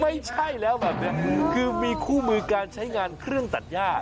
ไม่ใช่แล้วแบบนี้คือมีคู่มือการใช้งานเครื่องตัดย่า